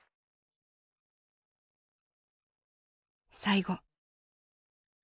最後。